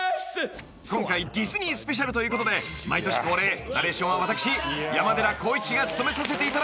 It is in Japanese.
［今回ディズニースペシャルということで毎年恒例ナレーションは私山寺宏一が務めさせていただきます］